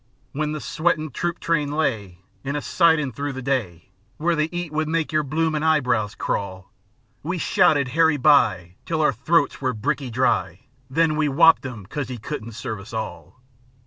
When the sweatin' troop train lay In a sidin' through the day, Where the 'eat would make your bloomin' eyebrows crawl, We shouted "Harry By!" 2 Till our throats were bricky dry, Then we wopped 'im 'cause 'e couldn't serve us all.